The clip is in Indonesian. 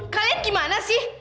kalian gimana sih